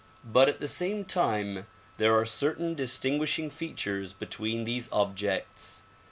But at the same time there are certain distinguishing features between these objects.